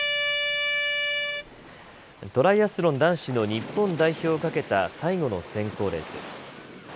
トライアスロン男子の日本代表をかけた最後の選考レース。